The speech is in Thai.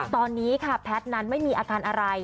ตอนนี้ค่ะแพทย์นั้นไม่มีอาการอะไร